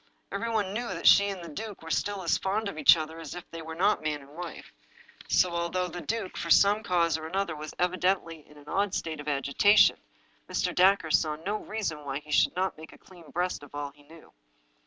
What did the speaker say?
Everyone knew that she and the duke were still as fond of each other as if they were not man and wife. So, although the duke, for some 281 English Mystery Stories cause or other, was evidently in an odd state of agitation, Mr. Dacre saw no reason why he should not make a dean breast of all he knew.